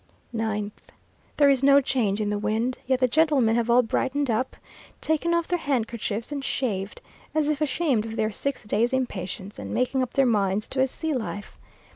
9th. There is no change in the wind, yet the gentlemen have all brightened up, taken off their handkerchiefs and shaved, as if ashamed of their six days' impatience, and making up their minds to a sea life.